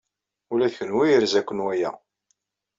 Ula d kenwi yerza-ken waya.